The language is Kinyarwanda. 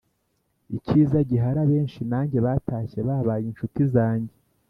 icyiza gihari abenshi nange batashye babaye inshuti zange."